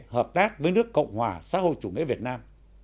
hợp tác với nước cộng hòa xã hội chủ nghĩa việt nam